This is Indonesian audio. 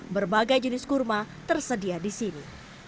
berbagai jenis kurma tersedia di sini